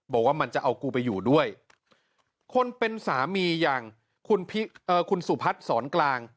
บอกว่ามันจะเอากูไปอยู่ด้วยคนเป็นสามีอย่างคุณสุพัฒน์สอนกลาง